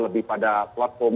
lebih pada platform